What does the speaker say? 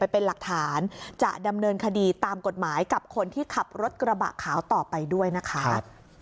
เป็นหลักฐานจะดำเนินคดีตามกฎหมายกับคนที่ขับรถกระบะขาวต่อไปด้วยนะคะ